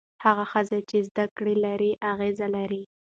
هغه ښځه چې زده کړه لري، اغېز لري.